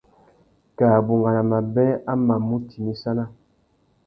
Kā bungana mabê a mà mù timissana.